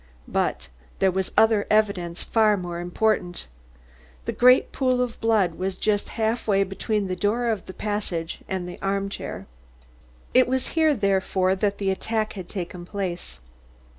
But there was other evidence far more important. The great pool of blood was just half way between the door of the passage and the armchair. It was here, therefore, that the attack had taken place.